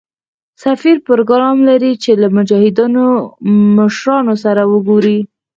سفیر پروګرام لري چې له مجاهدینو مشرانو سره وګوري.